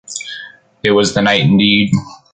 It was the night indeed.